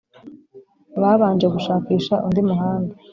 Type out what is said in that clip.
Babanje gushakisha undi muhanda